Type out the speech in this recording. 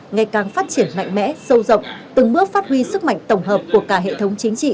ngày càng phát triển mạnh mẽ sâu rộng từng bước phát huy sức mạnh tổng hợp của cả hệ thống chính trị